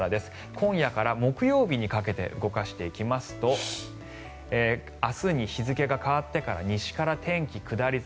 今夜から木曜日にかけて動かしていきますと明日に日付が変わってから西から天気下り坂。